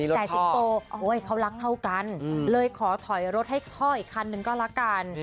แต่สิงโตเขารักเท่ากันเลยขอถอยรถให้พ่ออีกคันนึงก็ละกัน